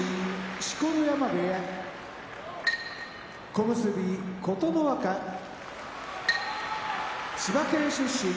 錣山部屋小結・琴ノ若千葉県出身